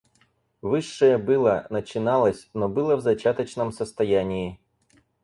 Высшее было, начиналось, но было в зачаточном состоянии.